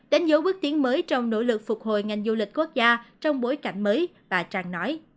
đánh dấu bước tiến mới trong nỗ lực phục hồi ngành du lịch quốc gia trong bối cảnh mới và tràn nói